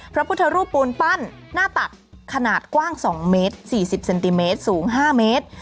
พระพุทธรูปปูนปั้นหน้าตักขนาดกว้าง๒เมตร๔๐เซนติเมตรสูง๕เมตร